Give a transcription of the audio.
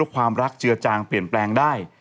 ความรักเจือจางเปลี่ยนแปลงได้